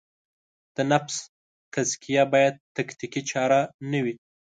د نفس تزکیه باید تکتیکي چاره نه وي.